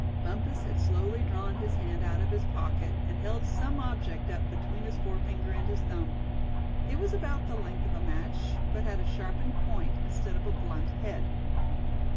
Bumpus had slowly drawn his hand out of his pocket, and held some object up between his forefinger and his thumb. It was about the length of a match, but had a sharpened point, instead of a blunt head.